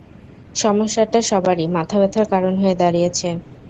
সমস্যাটা সবারই মাথাব্যাথার কারণ হয়ে দাঁড়িয়েছে।